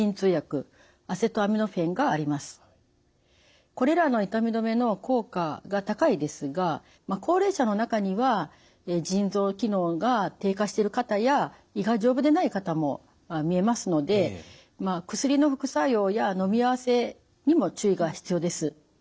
主にはこれらの痛み止めの効果が高いですが高齢者の中には腎臓機能が低下してる方や胃が丈夫でない方もみえますので薬の副作用やのみ合わせにも注意が必要です。